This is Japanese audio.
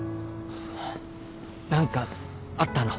何かあったの？